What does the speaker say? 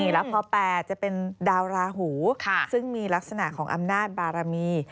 แล้วพอ๘จะเป็นดาวราหูซึ่งมีลักษณะของอำนาจบารมี